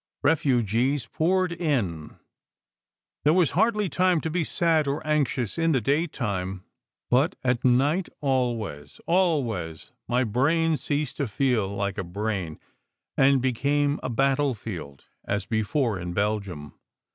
Refugees poured in. There was hardly time to be sad or anxious in the daytime; but at night always, always, my brain ceased to feel like a brain, and became a battlefield, as before in Belgium.